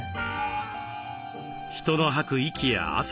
人の吐く息や汗。